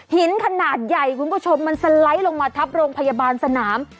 หินขนาดใหญ่คุณผู้ชมมันสไลด์ลงมาทับโรงพยาบาลสนาม